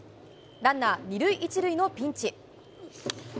ランナー２塁１塁のピンチ。